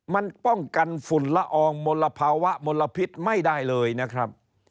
มันป้องกันฝุ่นละอองมลภาวะมลพิษไม่ได้เลยนะครับ